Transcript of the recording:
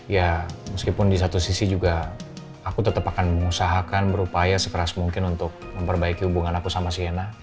ya meskipun di satu sisi juga aku tetap akan mengusahakan berupaya sekeras mungkin untuk memperbaiki hubungan aku sama siena